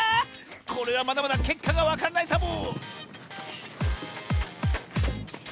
これはまだまだけっかがわからないサボ！